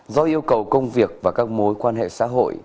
do yêu cầu công việc và các mối quan hệ xã hội